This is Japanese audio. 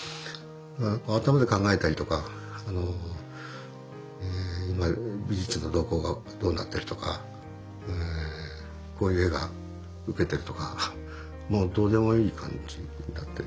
頭で考えたりとか今美術の動向がどうなってるとかこういう絵がウケてるとかもうどうでもいい感じになってですね。